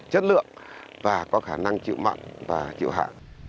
chất lượng và có khả năng chịu mặn và chịu hạ